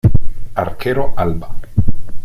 Arquero Alba